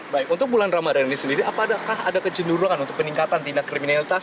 baik untuk bulan ramadan ini sendiri apakah ada kecenderungan untuk peningkatan tindak kriminalitas